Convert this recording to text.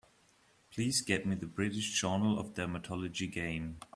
Please get me the British Journal of Dermatology game.